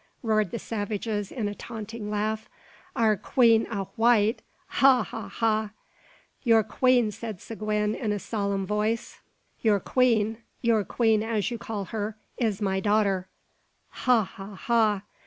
roared the savages, in a taunting laugh. "Our queen a white! Ha! ha! ha!" "Your queen," said Seguin, in a solemn voice; "your queen, as you call her, is my daughter." "Ha! ha! ha!"